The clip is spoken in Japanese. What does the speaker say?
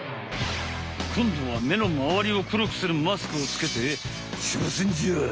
こんどは目のまわりを黒くするマスクをつけてちょうせんじゃい！